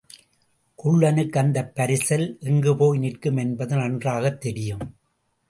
குள்ளனுக்கு அந்தப் பரிசல் எங்கு போய் நிற்கும் என்பது நன்றாகத் தெரியும்.